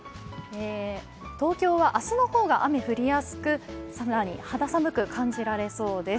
東京は明日の方が雨が降りやすく、更に肌寒く感じられそうです。